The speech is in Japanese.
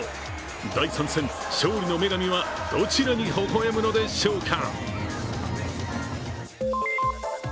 第３戦、勝利の女神はどちらに微笑むのでしょうか。